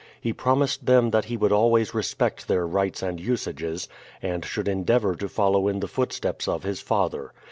He promised them that he would always respect their rights and usages, and should endeavor to follow in the footsteps of his father.